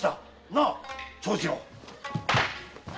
なあ長次郎。